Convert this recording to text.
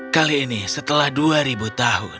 kali ini setelah dua ribu tahun